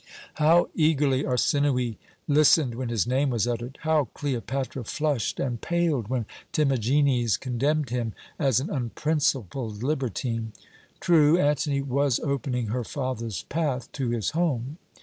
"How eagerly Arsinoë listened when his name was uttered! How Cleopatra flushed and paled when Timagenes condemned him as an unprincipled libertine! True, Antony was opening her father's path to his home.